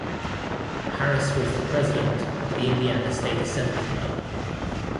Harris was the president of the Indiana State Assembly Club.